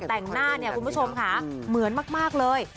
แต่งหน้าเนี่ยคุณผู้ชมค่ะเหมือนมากเลย